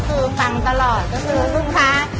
คือฟังตลอดนะครับ